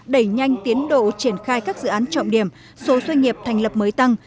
đẩy nhanh tiến độ triển khai các dự án trọng điểm số doanh nghiệp thành lập mới tăng